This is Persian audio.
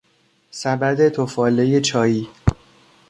سبد تفاله چایی